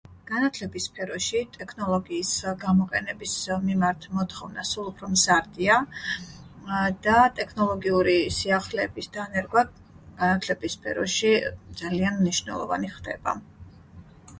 განათლების სფეროში ტექნოლოგიის გამოყენების მიმართ მოთხოვნა სულ უფრო მზარდია და ტექნოლოგიური სიახლეების დანერგვა განათლების სფეროში ძალიან მნიშვნელოვანი ხდება